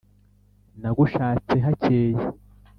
Nagushatse hakeye,